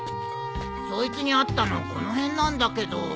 そいつに会ったのこの辺なんだけど。